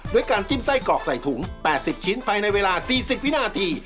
ด้วยการจิ้มไส้กรอกใส่ถุง๘๐ชิ้นภายในเวลา๔๐วินาที